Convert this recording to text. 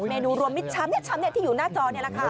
เมนูรวมมิตรช้ำที่อยู่หน้าจอนี่แหละค่ะ